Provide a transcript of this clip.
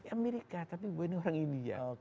amerika tapi gue ini orang india